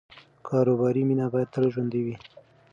کاروباري مینه باید تل ژوندۍ وي.